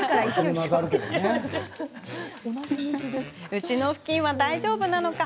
うちのふきんは大丈夫なのか。